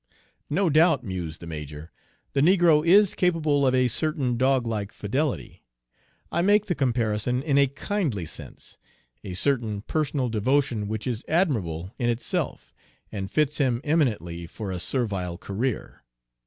"No doubt," mused the major, "the negro is capable of a certain doglike fidelity, I make the comparison in a kindly sense, a certain personal devotion which is admirable in itself, and fits him eminently for a servile career.